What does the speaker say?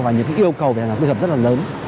và những yêu cầu về hành động tư hợp rất lớn